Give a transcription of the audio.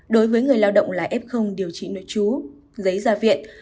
đối với người lao động là f điều trị nội chú giấy gia viện